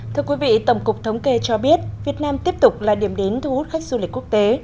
thưa quý vị tổng cục thống kê cho biết việt nam tiếp tục là điểm đến thu hút khách du lịch quốc tế